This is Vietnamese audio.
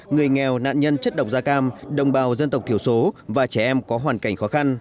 người nghèo nạn nhân chất độc da cam đồng bào dân tộc thiểu số và trẻ em có hoàn cảnh khó khăn